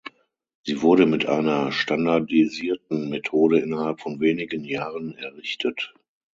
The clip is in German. Sie wurde mit einer standardisierten Methode innerhalb von wenigen Jahren errichtet.